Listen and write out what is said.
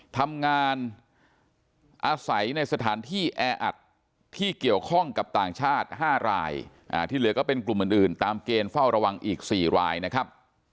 ทำงานอาศัยในสถานที่แออัดที่เกี่ยวข้องกับต่างชาติ๕รายที่เหลือก็เป็นกลุ่มอื่นตามเกณฑ์เฝ้าระวังอีก๔รายนะครับ